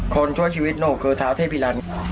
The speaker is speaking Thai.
ชั่วชีวิตหนูคือเท้าเทพีรันดิ์